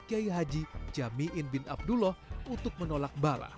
sehingga batu air ini dengan rizal m placing dan basmati blincheopsred